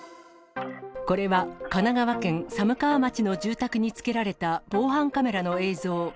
これは神奈川県寒川町の住宅につけられた防犯カメラの映像。